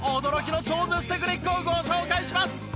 驚きの超絶テクニックをご紹介します。